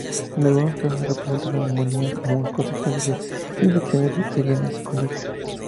En algunos casos se presenta neumonía como consecuencia de infecciones bacterianas secundarias.